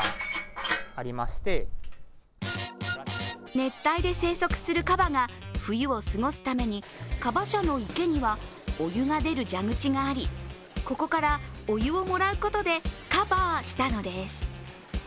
熱帯で生息するカバが冬を過ごすためにカバ舎の池にはお湯が出る蛇口がありここからお湯をもらうことでカバーしたのです。